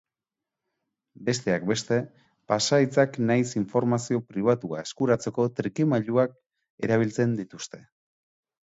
Besteak beste, pasahitzak nahiz informazio pribatua eskuratzeko trikimailuak erabiltzen dituzte.